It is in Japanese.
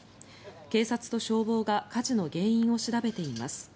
警察と消防が火事の原因を調べています。